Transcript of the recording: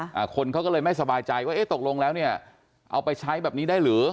อ่าคนเขาก็เลยไม่สบายใจว่าเอ๊ะตกลงแล้วเนี้ยเอาไปใช้แบบนี้ได้หรือ